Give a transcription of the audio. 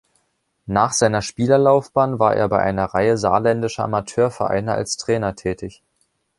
Nach seiner Spielerlaufbahn war er bei einer Reihe saarländischer Amateurvereine als Trainer tätig.